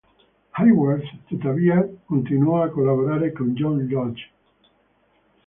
Hayward, tuttavia, continuò a collaborare con John Lodge.